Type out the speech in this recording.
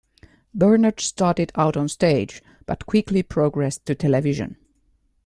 Bernard started out on stage but quickly progressed to television.